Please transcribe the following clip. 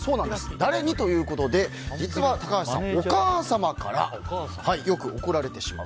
誰にということで、実は高橋さんお母様からよく怒られてしまう。